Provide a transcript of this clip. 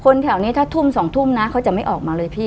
แถวนี้ถ้าทุ่ม๒ทุ่มนะเขาจะไม่ออกมาเลยพี่